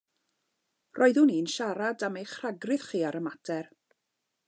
Roeddwn i'n siarad am eich rhagrith chi ar y mater.